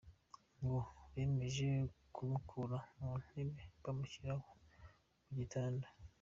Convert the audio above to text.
Ngo bemeje kumukura mu ntebe bamushyira ku gitanda.